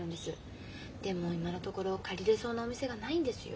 でも今のところ借りれそうなお店がないんですよ。